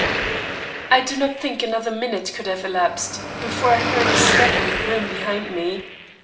I do not think another minute could have elapsed, before I heard a step in the room behind me.